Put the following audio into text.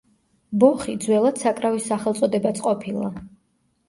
ბოხი ძველად საკრავის სახელწოდებაც ყოფილა.